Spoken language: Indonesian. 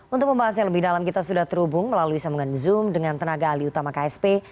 untuk membahasnya lebih dalam kita sudah terhubung melalui sambungan zoom dengan tenaga alih utama ksp